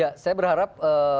ya saya berharap